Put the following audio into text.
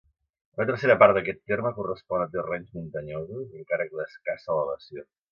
Una tercera part d'aquest terme correspon a terrenys muntanyosos, encara que d'escassa elevació.